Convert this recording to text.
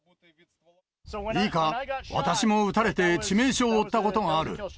いいか、私も撃たれて致命傷を負ったことがある。